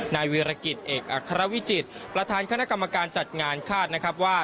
นายวิรกิจเอกอัครวิจิตรประธานคณะกรรมการจัดงานคาดนะครับว่า